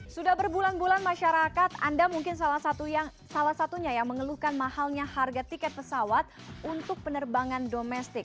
sudah berbulan bulan masyarakat anda mungkin salah satunya yang mengeluhkan mahalnya harga tiket pesawat untuk penerbangan domestik